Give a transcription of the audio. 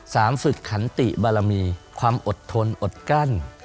ฝึกขันติบารมีความอดทนอดกั้น